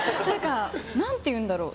何て言うんだろう。